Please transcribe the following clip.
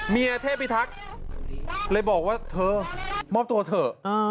เทพิทักษ์เลยบอกว่าเธอมอบตัวเถอะ